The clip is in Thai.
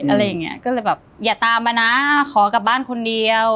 อะไรอย่างเงี้ยก็เลยแบบอย่าตามมานะขอกลับบ้านคนเดียว